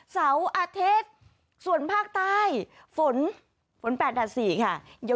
เสาร์อเทศส่วนภาคใต้ฝนฝน๘๔ค่ะ